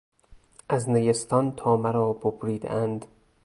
از نیستان تا مرا ببریدهاند...